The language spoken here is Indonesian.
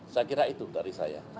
saya kira itu dari saya